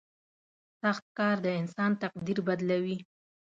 • سخت کار د انسان تقدیر بدلوي.